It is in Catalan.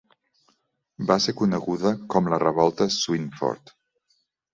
Va ser coneguda com la "Revolta Swinford".